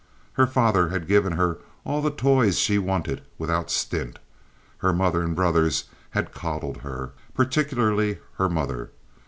Her father had given her all the toys she wanted without stint; her mother and brothers had coddled her, particularly her mother.